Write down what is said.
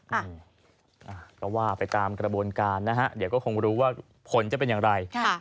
แต่ว่าไปตามกระบวนการเดี๋ยวก็คงรู้ว่าผลจะเป็นอย่างไร